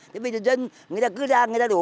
bây giờ dân người ta cứ ra người ta đổ